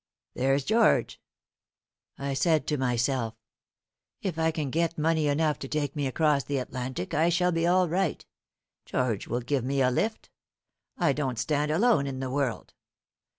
'There's George,' I said to myself; 'if I can get money enough to take me across the Atlantic, I shall be all right. George will give me a lift.' I don't stand alone in the world.